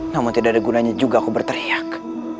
namun tidak ada gunanya juga aku berteriak